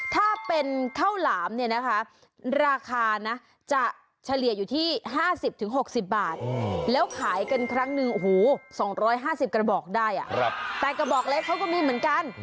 ถ้าเป็นข้าวหลามเนี่ยนะคะราคานะจะเฉลี่ยอยู่ที่๕๐๖๐บาทแล้วขายกันครั้งหนึ่งโอ้โห๒๕๐กระบอกได้แต่กระบอกเล็กเขาก็มีเหมือนกัน